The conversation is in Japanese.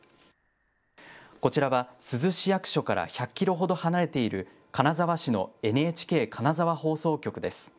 こちらは、珠洲市役所から１００キロほど離れている金沢市のＮＨＫ金沢放送局です。